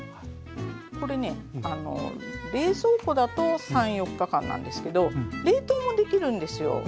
これね冷蔵庫だと３４日間なんですけど冷凍もできるんですよ。